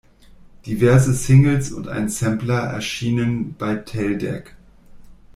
Diverse Singles und ein Sampler erschienen bei Teldec.